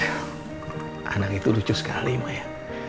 aduh anak itu lucu sekali ma ya